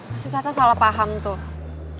pasti tata salah paham tuh